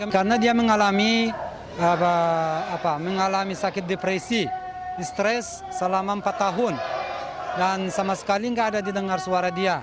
karena dia mengalami sakit depresi stres selama empat tahun dan sama sekali tidak ada didengar suara dia